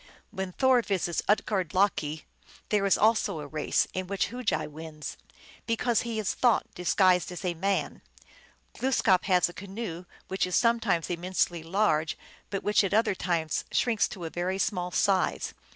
When Thor visits Utgard Loki, there is also a race, in which Hugi wins, because he is Thought disguised as a man. Glooskap has a canoe, which is sometimes immensely large, but which at other times shrinks to a very small size.